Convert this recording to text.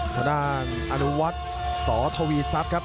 ข้อด้านอนุวัฒน์สทวีซับครับ